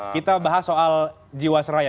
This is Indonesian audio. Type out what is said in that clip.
kita bahas soal jiwaseraya